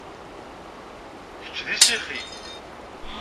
Kečč d isixi?